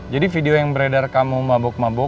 jadi video yang beredar kamu mabok mabokan